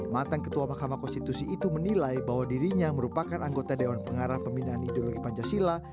matan ketua mahkamah konstitusi itu menilai bahwa dirinya merupakan anggota dewan pengarah pembinaan ideologi pancasila